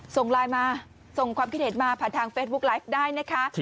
ส่งไลน์มาส่งความคิดเห็นมาผ่านทางเฟซบุ๊คไลฟ์ได้นะคะ